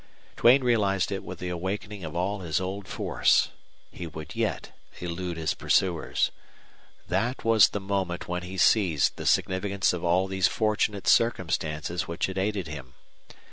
Duane realized it with the awakening of all his old force. He would yet elude his pursuers. That was the moment when he seized the significance of all these fortunate circumstances which had aided him.